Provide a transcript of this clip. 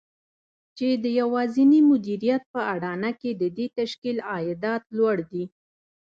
چې د يوازېني مديريت په اډانه کې د دې تشکيل عايدات لوړ دي.